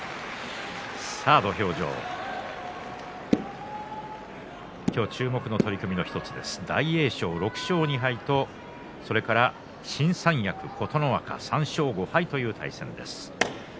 土俵上は今日注目の取組の１つ大栄翔６勝２敗と新三役琴ノ若３勝５敗という対戦です。